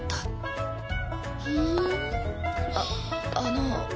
ああの。